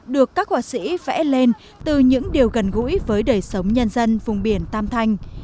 được các họa sĩ vẽ lên từ những điều gần gũi với đời sống nhân dân vùng biển tam thanh